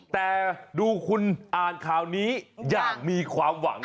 แต่ดูคุณอ่านข่าวนี้อย่างมีความหวัง